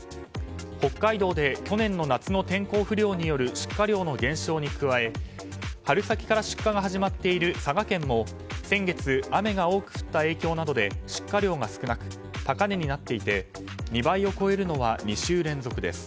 北海道で去年の夏の天候不良による出荷量の減少に加え春先から出荷が始まっている佐賀県も先月、雨が多く振った影響などで出荷量が少なく高値になっていて２倍を超えるのは２週連続です。